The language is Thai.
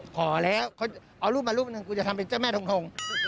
ขอแล้วเขาเอารูปมารูปหนึ่งกูจะทำเป็นเจ้าแม่ทง